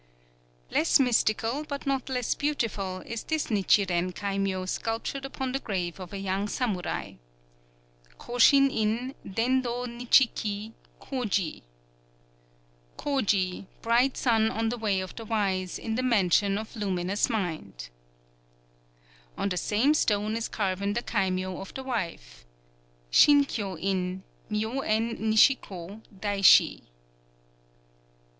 Less mystical, but not less beautiful, is this Nichiren kaimyō sculptured upon the grave of a young samurai: Ko shin In, Ken dō Nichi ki, Koji. [Koji, Bright Sun on the Way of the Wise, in the Mansion of Luminous Mind.] On the same stone is carven the kaimyō of the wife: _Shin kyō In, Myō en Nichi ko, Daishi.